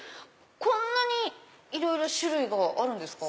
こんなに種類があるんですか？